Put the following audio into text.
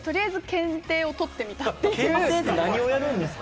検定って何をやるんですか？